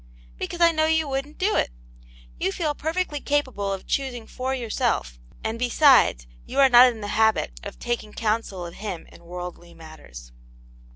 "Because I know you wouldn*t do it. You feel perfectly capable of choosing for yourself, and be sides, you are not in the habit of taking counsel of Him in worldly matters."